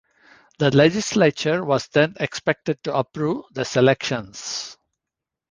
The legislature was then expected to approve the selections.